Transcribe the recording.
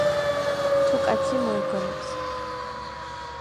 თუ კაცი მოიგონებსა